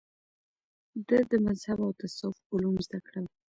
ده د مذهب او تصوف علوم زده کړل